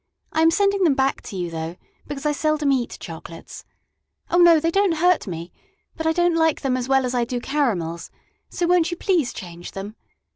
I am sending them back to you, though, because I seldom eat chocolates. Oh, no, they don't hurt me, but I don't like them as well as I do caramels, so won't you please change them?